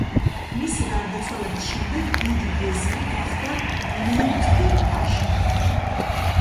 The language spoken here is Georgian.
მისი გარდაცვალების შემდეგ დიდი ვეზირი გახდა ლიუთფი-ფაშა.